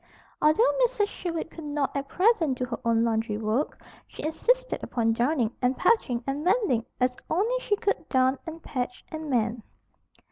Although Mrs. Sherwood could not at present do her own laundry work, she insisted upon darning and patching and mending as only she could darn and patch and mend.